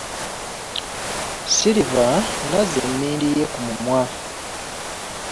Silver n'azza emmindi ye ku mumwa.